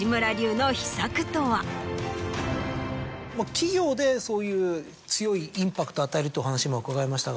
企業でそういう強いインパクトを与えるってお話今伺いましたが。